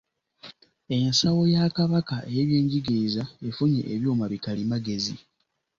Ensawo ya Kabaka ey'eby'Enjigiriza efunye ebyuma bikalimagezi.